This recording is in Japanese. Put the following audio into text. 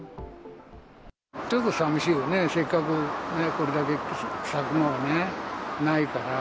ちょっと寂しいよね、せっかくこれだけ咲くのはね、ないから。